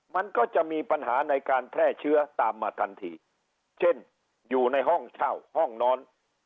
มันก็จะมีปัญหาในการแพร่เชื้อตามมาทันทีเช่นอยู่ในห้องเช่าห้องนอน